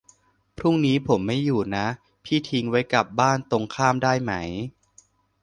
พรุ่งนี้ผมไม่อยู่นะ พี่ทิ้งไว้กับบ้านตรงข้ามได้ไหม